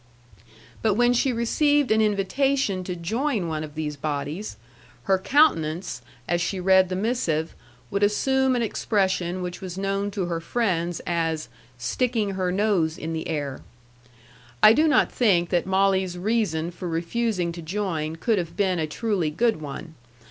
But when she received an invitation to join one of these bodies, her countenance, as she read the missive, would assume an expression which was known to her friends as "sticking her nose in the air." I do not think that Molly's reason for refusing to join could have been a truly good one.